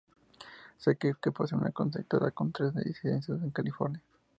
Se cree que posee o está conectada con tres residencias en California.